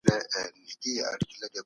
د بوټو پالنه دقت غواړي.